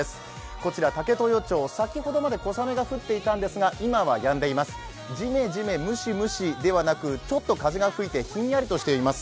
こちら武豊町、先ほどまで小雨が降っていたんですが、ジメジメムシムシではなく、ちょっと風が吹いてひんやりとしています。